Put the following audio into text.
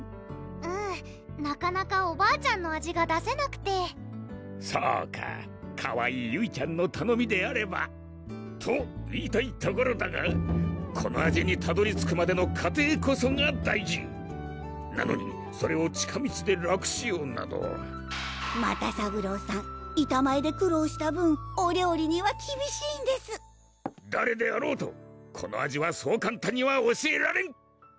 うんなかなかおばあちゃんの味が出せなくてそうかかわいいゆいちゃんのたのみであればと言いたいところだがこの味にたどり着くまでの過程こそが大事なのにそれを近道で楽しようなど又三郎さん板前で苦労した分お料理にはきびしいんです誰であろうとこの味はそう簡単には教えられん！